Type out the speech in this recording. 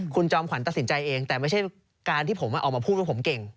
คุณจอมขวัญตัดสินใจเองแต่ไม่ใช่การที่ผมออกมาพูดว่าผมเก่ง